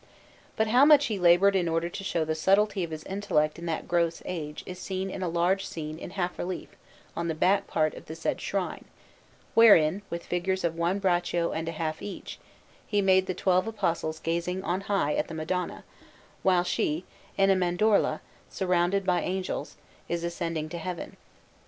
But how much he laboured in order to show the subtlety of his intellect in that gross age is seen in a large scene in half relief on the back part of the said shrine, wherein, with figures of one braccio and a half each, he made the twelve Apostles gazing on high at the Madonna, while she, in an oval space, surrounded by angels, is ascending to Heaven.